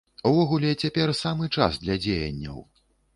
Увогуле, цяпер самы час для дзеянняў.